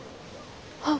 あ。